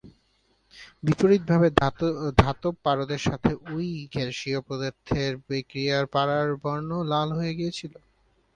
বিপরীতভাবে ধাতব পারদের সাথে ঐ গ্যাসীয় পদার্থের বিক্রিয়ায় পারার বর্ণ লাল হয়ে গিয়েছিলো।